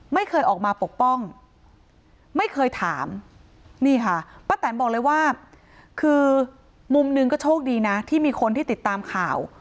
นี่ค่ะป้าแตนบอกเลยว่าคือมุมหนึ่งก็โชคดีนะที่มีคนที่ติดตามข่าว